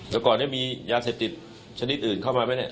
จากก่อนเนี่ยมียาเศ็จจิตชนิดอื่นเข้ามามั้ยเนี่ย